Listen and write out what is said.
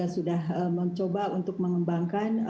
sudah mencoba untuk mengembangkan